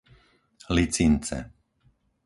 Licince